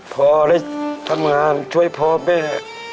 พอได้ทำงานช่วยพ่อแม่